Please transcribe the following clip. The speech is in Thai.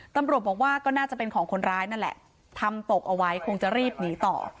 ตำรวจบอกว่าก็น่าจะเป็นของคนร้ายนั่นแหละทำตกเอาไว้คงจะรีบหนีต่อ